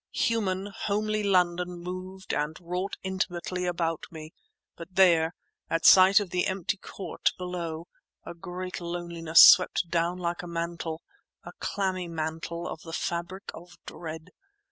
Human, homely London moved and wrought intimately about me; but there, at sight of the empty court below, a great loneliness swept down like a mantle—a clammy mantle of the fabric of dread.